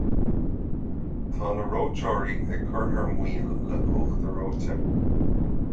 Tá na reoiteoirí ag cur thar maoil le huachtar reoite